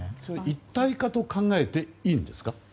一体化と考えていいんですか？